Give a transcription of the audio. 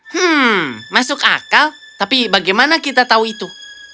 hmm masuk akal tapi bagaimana kita tahu itu